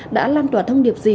đã lan tỏa thông điệp gì